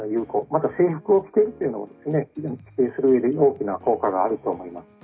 また制服を着ているというのも規制をするうえで非常に大きな効果があると思います。